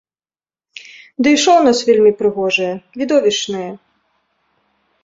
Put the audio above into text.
Дый шоў у нас вельмі прыгожае, відовішчнае.